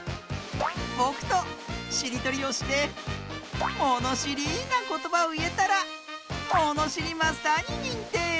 ぼくとしりとりをしてものしりなことばをいえたらものしりマスターににんてい！